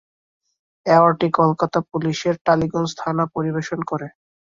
ওয়ার্ডটি কলকাতা পুলিশের টালিগঞ্জ থানা পরিবেশন করে।